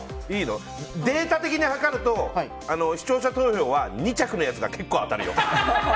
データ的には視聴者投票は２着のやつが結構当たるよ。